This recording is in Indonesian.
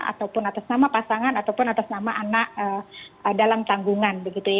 ataupun atas nama pasangan ataupun atas nama anak dalam tanggungan